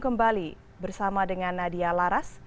kembali bersama dengan nadia laras